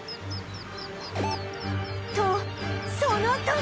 とその時